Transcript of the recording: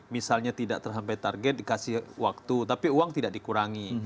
misalnya tidak terhambai target dikasih waktu tapi uang tidak dikurangi